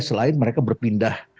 selain mereka berpindah